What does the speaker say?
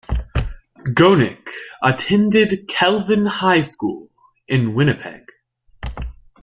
Gonick attended Kelvin high school in Winnipeg.